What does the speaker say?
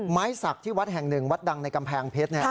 ไม้สักที่วัดแห่งหนึ่งวัดดังในกำแพงเพชร